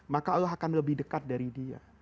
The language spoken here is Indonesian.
maka allah akan lebih dekat dari dia